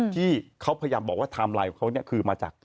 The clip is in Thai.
ที่เขาพยายามบอกว่าไทม์ไลน์ของเขาเนี่ยคือมาจาก